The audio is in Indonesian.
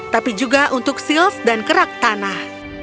tapi juga untuk sales dan kerak tanah